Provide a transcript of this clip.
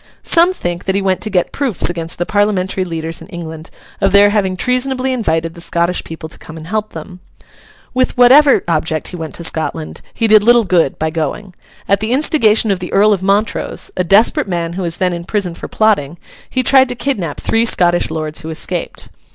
Some think that he went to get proofs against the Parliamentary leaders in England of their having treasonably invited the Scottish people to come and help them. With whatever object he went to Scotland, he did little good by going. At the instigation of the Earl of Montrose, a desperate man who was then in prison for plotting, he tried to kidnap three Scottish lords who escaped.